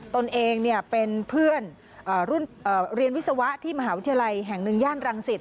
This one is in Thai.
ตนเองเป็นเพื่อนรุ่นเรียนวิศวะที่มหาวิทยาลัยแห่งหนึ่งย่านรังสิต